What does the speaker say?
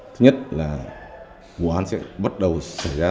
thứ nhất là vụ án sẽ bắt đầu xảy ra